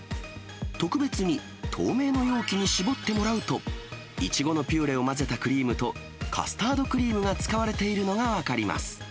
特別に透明の容器に絞ってもらうと、いちごのピューレを混ぜたクリームと、カスタードクリームが使われているのが分かります。